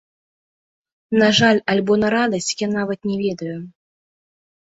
На жаль альбо на радасць, я нават не ведаю.